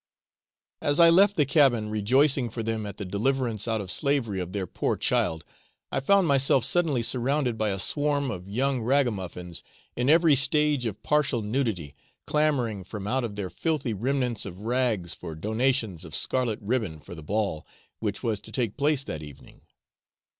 As I left the cabin, rejoicing for them at the deliverance out of slavery of their poor child, I found myself suddenly surrounded by a swarm of young ragamuffins in every stage of partial nudity, clamouring from out of their filthy remnants of rags for donations of scarlet ribbon for the ball, which was to take place that evening.